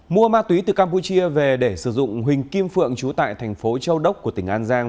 mua ma túy từ campuchia về để sử dụng hình kim phượng trú tại thành phố châu đốc của tỉnh an giang